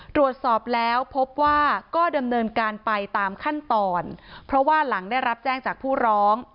ตรวจสอบแล้วพบว่าก็ดำเนินการไปตามขั้นตอนเพราะว่าหลังได้รับแจ้งจากผู้ร้อง